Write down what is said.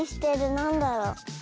なんだろう？